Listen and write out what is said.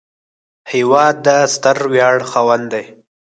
هېواد د ستر ویاړ خاوند دی